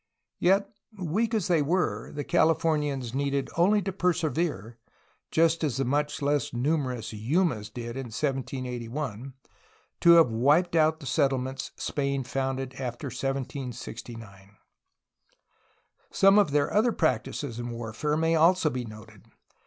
Yet, weak as they were, the Californians needed only to persevere, just as the much less numerous Yumas did in 1781, to have wiped out the settlements Spain founded after 1769. Some of their other practices in war fare may also be noted.